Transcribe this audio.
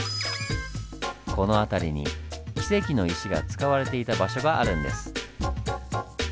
この辺りにキセキの石が使われていた場所があるんです。